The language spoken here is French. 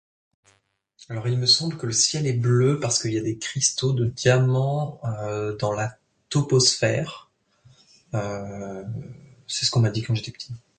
Alors il me semble que le ciel est bleu parce qu'il y a des cristaux de diamants dans la toposphère, c'est ce qu'on m'a dit quand j'étais petit.